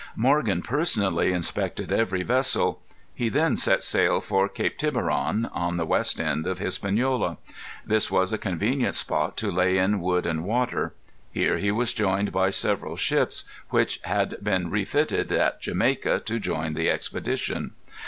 Morgan personally inspected every vessel. He then set sail for Cape Tiburon, at the west end of Hispaniola. This was a convenient spot to lay in wood and water. Here he was joined by several ships, which had been refitted at Jamaica to join the expedition.